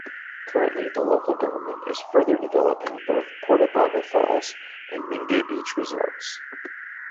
Currently, the local government is further developing both Portabaga Falls and Mingay Beach Resorts.